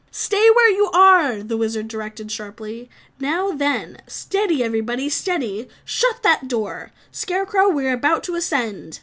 "Stay where you are!" the Wizard directed sharply. "Now then, steady everybody steady! Shut that door, Scarecrow, we are about to ascend."